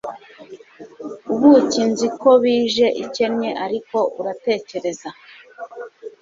Ubuki nzi ko bije ikennye ariko uratekereza